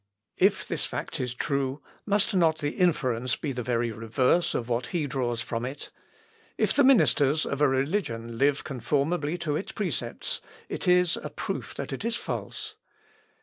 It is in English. If this fact is true, must not the inference be the very reverse of what he draws from it? If the ministers of a religion live conformably to its precepts it is a proof that it is false.